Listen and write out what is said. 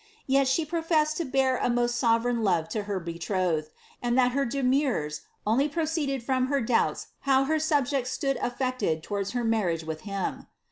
Yet she professed to bear a most sovereign love to her betrothed, ami that her demurs only proceeded from her doubts how bet subjects stood affected towards her marriage with him.'